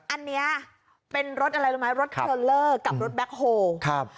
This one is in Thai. อันนี้เป็นรถอะไรรู้ไหมรถเทรลเลอร์กับรถแบ็คโฮลครับ